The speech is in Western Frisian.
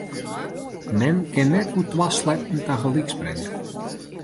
Men kin net oer twa sleatten tagelyk springe.